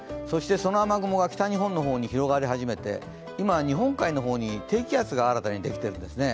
その雨雲が北日本に広がり始めて今、日本海の方に低気圧が新たにできているんですね。